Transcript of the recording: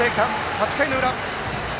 ８回の裏。